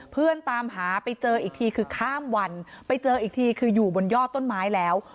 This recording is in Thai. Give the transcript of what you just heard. ตามหาไปเจออีกทีคือข้ามวันไปเจออีกทีคืออยู่บนยอดต้นไม้แล้ว